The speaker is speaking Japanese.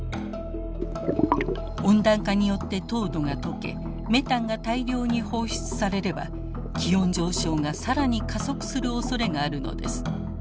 温暖化によって凍土がとけメタンが大量に放出されれば気温上昇が更に加速するおそれがあるのです。